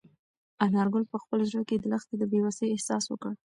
انارګل په خپل زړه کې د لښتې د بې وسۍ احساس وکړ.